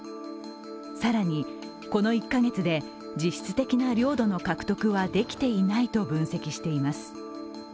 更に、この１カ月で実質的な領土の獲得はできていないと分析しています。